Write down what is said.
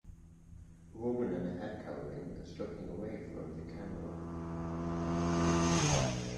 A woman in a head covering is looking away from the camera